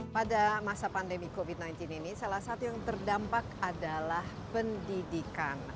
pada masa pandemi covid sembilan belas ini salah satu yang terdampak adalah pendidikan